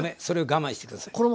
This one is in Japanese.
それを我慢して下さい。